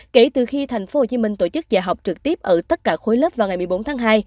kể từ khi tp hcm tổ chức dạy học trực tiếp ở tất cả khối lớp vào ngày một mươi bốn tháng hai